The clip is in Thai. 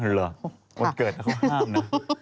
เหรอวันเกิดเขาห้ามนะ